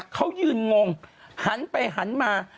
เขายืนงงหันไปหันมา